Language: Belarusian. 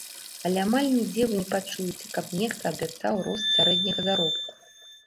Але амаль нідзе вы не пачуеце, каб нехта абяцаў рост сярэдняга заробку.